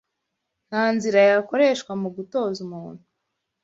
Nta nzira yakoreshwa mu gutoza umuntu